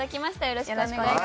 よろしくお願いします。